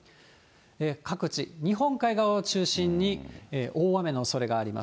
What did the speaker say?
各地、日本海側を中心に大雨のおそれがあります。